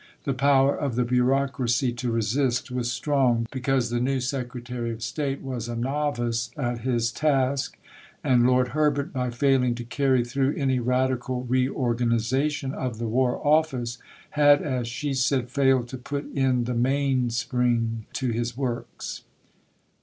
The power of the bureaucracy to resist was strong, because the new Secretary of State was a novice at his task, and Lord Herbert, by failing to carry through any radical reorganization of the War Office, had as she said, failed to put in "the mainspring to his works."